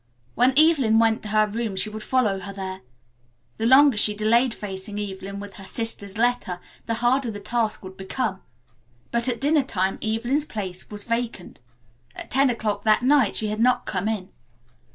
When Evelyn went to her room she would follow her there. The longer she delayed facing Evelyn with her sister's letter the harder the task would become. But at dinner time Evelyn's place was vacant. At ten o'clock that night she had not come in.